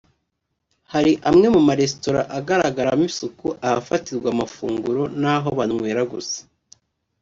Hari amwe mu maresitora agaragaramo isuku ahafatirwa amafunguro n’aho banywera gusa